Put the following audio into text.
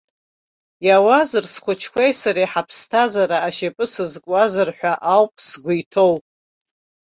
Иауазар, схәыҷқәеи сареи ҳаԥсҭазара ашьапы сызкуазар ҳәа ауп сгәы иҭоу!